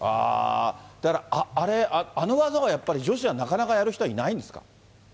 だからあれ、あの技はやっぱり女子はなかなかやる人はいないんですか？